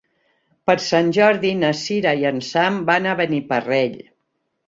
Per Sant Jordi na Cira i en Sam van a Beniparrell.